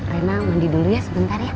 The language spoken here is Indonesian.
rena mandi dulu ya sebentar ya